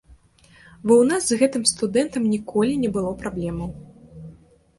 Бо ў нас з гэтым студэнтам ніколі не было праблемаў.